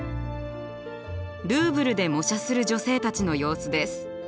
ルーヴルで模写する女性たちの様子です。